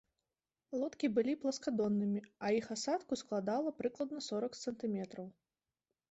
Лодкі былі пласкадоннымі, а іх асадку складала прыкладна сорак сантыметраў.